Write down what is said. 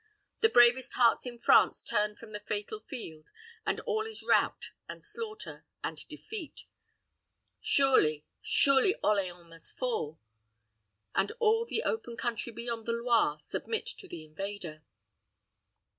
The bravest hearts in France turn from the fatal field, and all is rout, and slaughter, and defeat. Surely, surely Orleans must fall, and all the open country beyond the Loire submit to the invader.